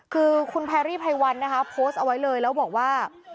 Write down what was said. คือคุณแพรรี่ไพวันนะคะโพสต์เอาไว้เลยแล้วบอกว่า